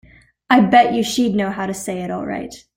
I bet you she'd know how to say it all right.